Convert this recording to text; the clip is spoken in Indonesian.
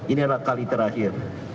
inilah kali terakhir